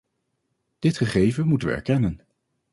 Dit gegeven moeten we erkennen.